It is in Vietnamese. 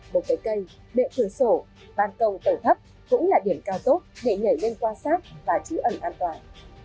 một cái cây bệnh cửa sổ ban cầu tẩu thấp cũng là điểm cao tốt để nhảy lên quan sát và trú ẩn an toàn